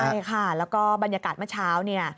ใช่ค่ะแล้วก็บรรยากาศเมื่อเช้าเนี่ย